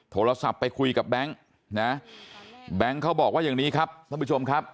โทรศัพท์ไปคุยกับแบงค์นะแบงค์เขาบอกว่าอย่างนี้ครับท่านผู้ชมครับ